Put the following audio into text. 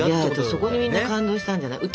そこにみんな感動したんじゃない？